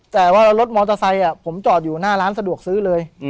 แต่ว่ารถมอเตอร์ไซค์ผมจอดอยู่หน้าร้านสะดวกซื้อเลย